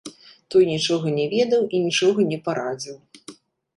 Той нічога не ведаў і нічога не парадзіў.